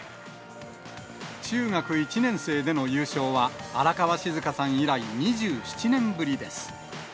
中学１年生での優勝は、荒川静香さん以来、２７年ぶりです。